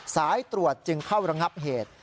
สายตรวจจึงเข้าระงับเหตุ